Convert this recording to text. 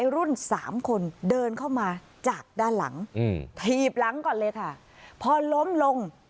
รุ่นสามคนเดินเข้ามาจากด้านหลังอืมถีบหลังก่อนเลยค่ะพอล้มลง